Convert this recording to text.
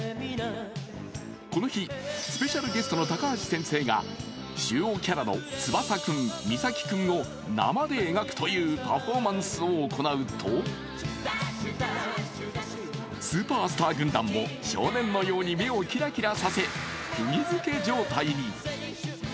この日スペシャルゲストの高橋先生が主要キャラの翼君、岬君を生で描くというパフォーマンスを行うとスーパースター軍団も少年のように目をキラキラさせ、クギづけ状態に。